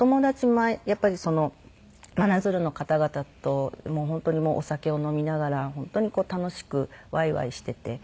やっぱりその真鶴の方々と本当にお酒を飲みながら本当に楽しくワイワイしていて。